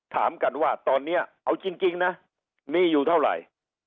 ถามกันว่าตอนนี้เอาจริงนะมีอยู่เท่าไหร่